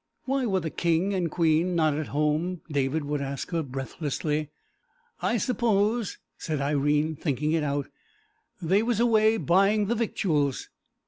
"Why were the king and queen not at home?" David would ask her breathlessly. "I suppose," said Irene, thinking it out, "they was away buying the victuals."